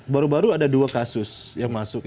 baru baru ada dua kasus yang masuk